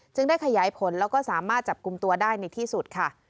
ได้ขยายผลแล้วก็สามารถจับกลุ่มตัวได้ในที่สุดค่ะ